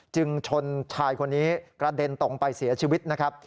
ชนชายคนนี้กระเด็นตกไปเสียชีวิตนะครับ